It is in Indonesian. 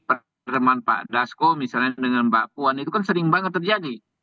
pertemuan pak dasko misalnya dengan mbak puan itu kan sering banget terjadi